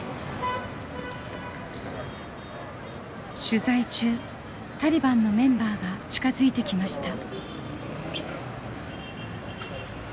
取材中タリバンのメンバーが近づいてきました。